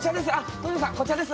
東條さんこちらです。